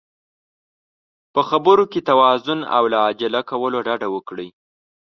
په خبرو کې توازن او له عجله کولو ډډه وکړئ.